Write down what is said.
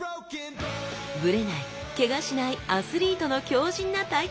ブレないケガしないアスリートの強じんな体幹力！